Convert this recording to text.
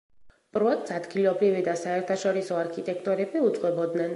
პროექტს ადგილობრივი და საერთაშორისო არქიტექტორები უძღვებოდნენ.